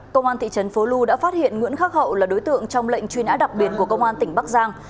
công an thị trấn phố lu đã phát hiện nguyễn khắc hậu là đối tượng trong lệnh truy nã đặc biệt của công an tỉnh bắc giang